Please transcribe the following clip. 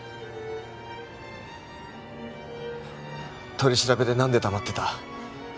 取り調べでなんで黙ってた？